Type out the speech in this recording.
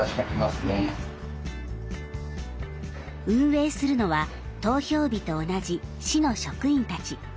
運営するのは投票日と同じ、市の職員たち。